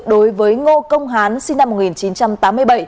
đối với ngô công hán sinh năm một nghìn chín trăm tám mươi bảy